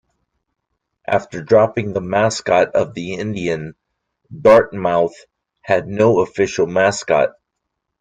After dropping the mascot of the Indian, Dartmouth had no official mascot.